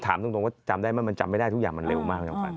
ถามตรงว่าจำได้ไหมมันจำไม่ได้ทุกอย่างมันเร็วมากแล้วกัน